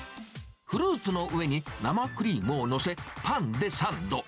フルーツの上に生クリームを載せ、パンでサンド。